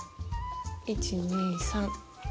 １２３。